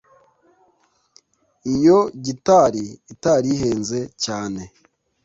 iyo gitari itari ihenze cyane